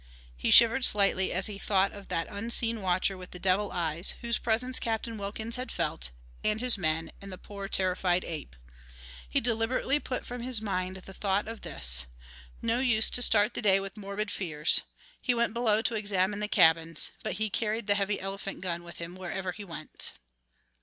He shivered slightly as he thought of that unseen watcher with the devil eyes whose presence Captain Wilkins had felt and his men, and the poor terrified ape! He deliberately put from his mind the thought of this; no use to start the day with morbid fears. He went below to examine the cabins. But he carried the heavy elephant gun with him wherever he went.